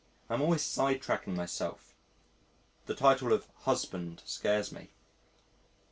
I am always sidetracking myself. The title of "husband" scares me.